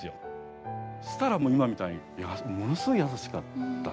そしたら今みたいにものすごい優しかったんですよ。